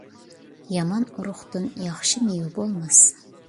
يامان ئۇرۇقتىن ياخشى مېۋە بولماس.